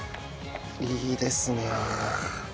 いいですね。